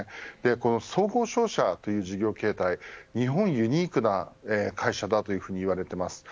この総合商社という事業形態日本ユニークな会社だというふうにいわれています。